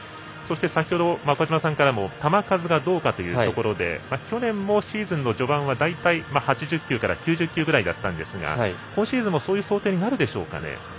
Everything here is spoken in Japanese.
そして先ほど岡島さんからも球数がどうかというところで去年もシーズンの序盤は大体８０球から９０球ぐらいだったんですが今シーズンもそういう想定になるでしょうかね。